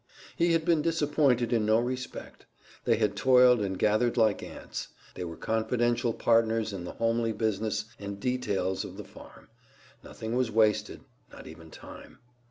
He had been disappointed in no respect; they had toiled and gathered like ants; they were confidential partners in the homely business and details of the farm; nothing was wasted, not even time.